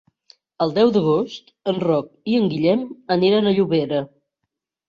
El deu d'agost en Roc i en Guillem aniran a Llobera.